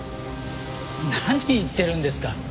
何言ってるんですか。